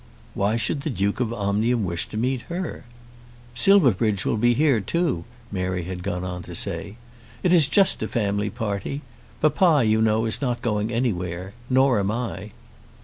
Why should the Duke of Omnium wish to meet her? "Silverbridge will be here too," Mary had gone on to say. "It is just a family party. Papa, you know, is not going anywhere; nor am I."